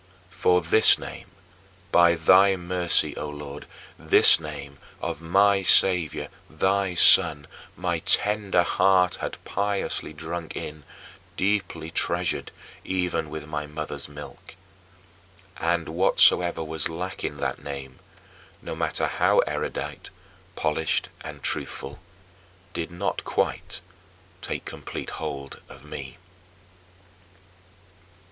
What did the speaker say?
For this name, by thy mercy, O Lord, this name of my Saviour thy Son, my tender heart had piously drunk in, deeply treasured even with my mother's milk. And whatsoever was lacking that name, no matter how erudite, polished, and truthful, did not quite take complete hold of me.